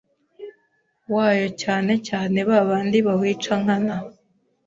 wayo cyane cyane babandi bawica nkana